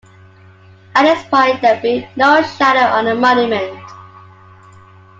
At this point there will be no shadow on the monument.